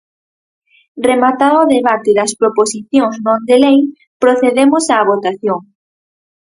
Rematado o debate das proposicións non de lei, procedemos á votación.